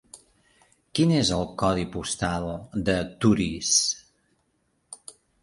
Quin és el codi postal de Torís?